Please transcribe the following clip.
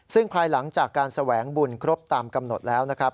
ซึ่งภายหลังจากการแสวงบุญครบตามกำหนดแล้วนะครับ